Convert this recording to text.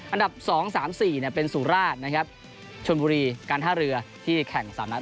อันดับ๒๓๔เป็นสุราชนะครับชนบุรีการท่าเรือที่แข่ง๓นัด